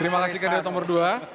terima kasih kandidat nomor dua